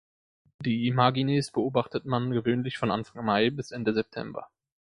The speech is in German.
Die Imagines beobachtet man gewöhnlich von Anfang Mai bis Ende September.